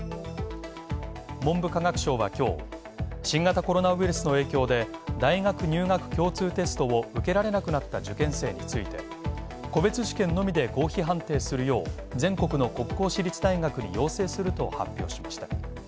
文部科学省は、今日新型コロナウイルスの影響で大学入学共通テストを受けられなくなった受験生について個別試験のみで合否判定するよう全国の国公私立大学に要請すると発表しました。